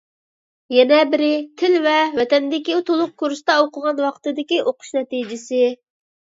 يەنە بىرى، تىل ۋە ۋەتەندىكى تولۇق كۇرستا ئوقۇغان ۋاقتىدىكى ئوقۇش نەتىجىسى.